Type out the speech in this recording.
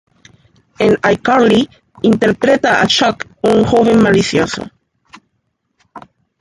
En "iCarly" interpreta a Chuck, un joven malicioso.